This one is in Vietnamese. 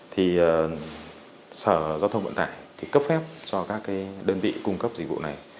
thì sở giao thông vận tải thì cấp phép cho các đơn vị cung cấp dịch vụ này